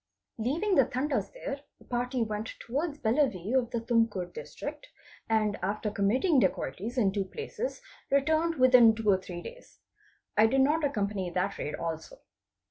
Leaving the Tandas there, a party went towards Bellave of the Tumkur District, and after committing dacoities in two places returned within two or three days. I did not accompany that raid also.